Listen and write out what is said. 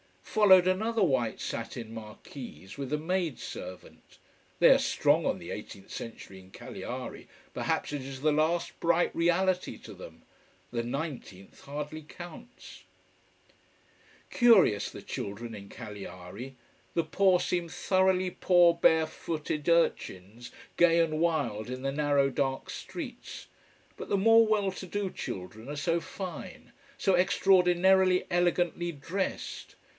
Followed another white satin "marquise", with a maid servant. They are strong on the eighteenth century in Cagliari. Perhaps it is the last bright reality to them. The nineteenth hardly counts. Curious the children in Cagliari. The poor seem thoroughly poor bare footed urchins, gay and wild in the narrow dark streets. But the more well to do children are so fine: so extraordinarily elegantly dressed.